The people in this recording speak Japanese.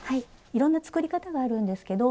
いろんな作り方があるんですけど今日はね